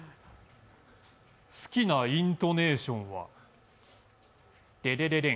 好きなイントネーションはデレレレン。